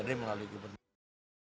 dpd melalui gubernur